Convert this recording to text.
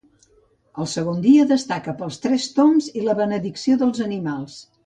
El segon dia destaca pels Tres Tombs i la benedicció dels animals.